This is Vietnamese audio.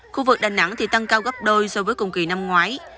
khu vực đà nẵng thì tăng cao gấp đôi so với cùng kỳ năm ngoái